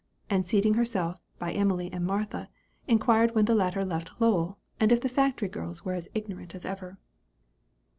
and seating herself by Emily and Martha, inquired when the latter left Lowell, and if the factory girls were as ignorant as ever.